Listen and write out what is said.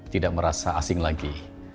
tidak merasa asing lagi